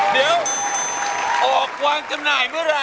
เดี๋ยวออกวางจำหน่ายเมื่อไหร